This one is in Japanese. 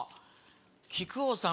木久扇さん